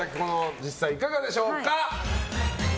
実際いかがでしょうか？